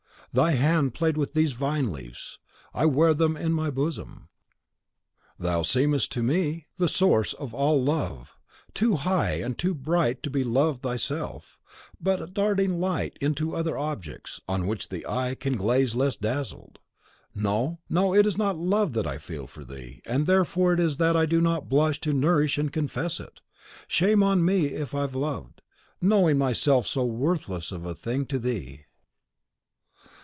Thy hand played with these vine leaves; I wear them in my bosom. Thou seemest to me the source of all love; too high and too bright to be loved thyself, but darting light into other objects, on which the eye can gaze less dazzled. No, no; it is not love that I feel for thee, and therefore it is that I do not blush to nourish and confess it. Shame on me if I loved, knowing myself so worthless a thing to thee!